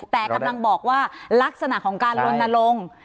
แต่กำลังบอกว่าลักษณะของการลนลง